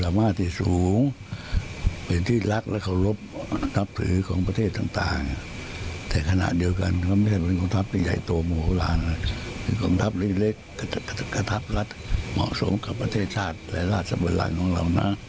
อะไปดูบรรยากาศในช่วงนั้นกันหน่อยฮะ